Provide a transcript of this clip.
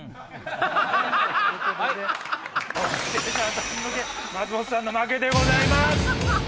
３抜け松本さんの負けでございます。